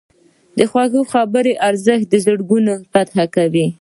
د خوږې خبرې ارزښت د زړونو فتح کوي.